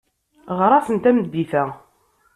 Ɣer-asen tameddit-a.